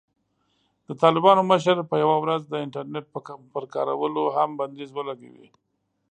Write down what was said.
د طالبانو مشر به یوه ورځ د "انټرنېټ" پر کارولو هم بندیز ولګوي.